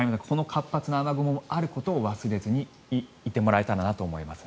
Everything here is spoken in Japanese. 活発な雨雲もあることを忘れずにいてもらえたらと思います。